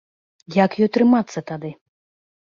Як ёй трымацца тады?